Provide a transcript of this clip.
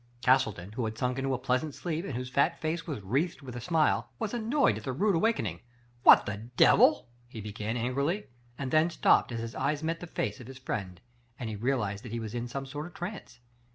Castleton, who had sunk into a pleasant sleep and whose fat face was wreathed with a smile, was annoyed at the rude awakening. What the devil !'* he began angrily, and then stopped as his eyes met the face of his friend and he realized that he was in some sort of trance.